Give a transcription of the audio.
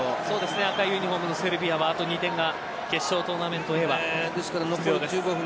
赤いユニホームのセルビアはあと２点が決勝トーナメントには必要です。